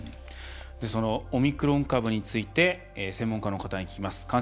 そのオミクロン株について専門家の方に聞きます。